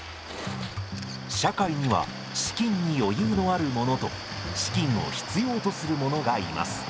社会には「資金に余裕のある者」と「資金を必要とする者」がいます。